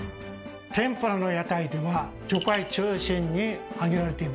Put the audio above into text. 天ぷらの屋台では魚介中心に限られていました。